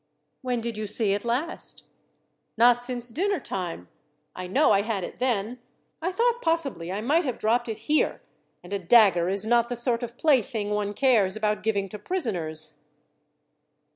"When did you see it last?" "Not since dinner time. I know I had it then. I thought possibly I might have dropped it here, and a dagger is not the sort of plaything one cares about giving to prisoners."